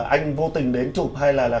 anh vô tình đến chụp hay là